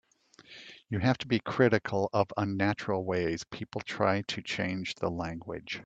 You have to be critical of unnatural ways people try to change the language.